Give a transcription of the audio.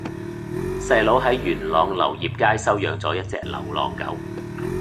細佬喺元朗流業街收養左一隻流浪狗